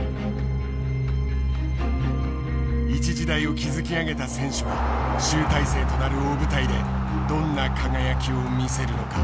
一時代を築き上げた選手は集大成となる大舞台でどんな輝きを見せるのか。